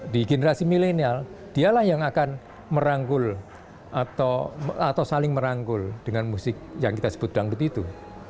di generasi milenial dialah yang akan merangkul atau saling merangkul dengan musik yang kita sebut dangdut itu